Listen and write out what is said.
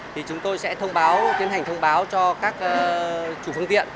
thì chúng tôi sẽ thông báo tiến hành thông báo cho các chủ phương tiện